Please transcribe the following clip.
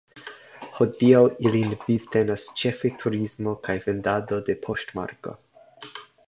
Hodiaŭ ilin vivtenas ĉefe turismo kaj vendado de poŝtmarkoj.